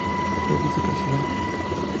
Fue Vicepresidente.